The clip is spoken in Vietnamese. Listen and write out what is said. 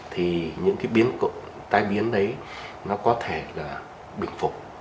thì những cái biến tai biến đấy nó có thể là bình phục